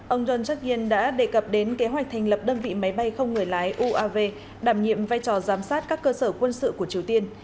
ông yoon jak in đã đề cập đến kế hoạch thành lập đơn vị máy bay không người lái uav đảm nhiệm vai trò giám sát các cơ sở quân sự của triều tiên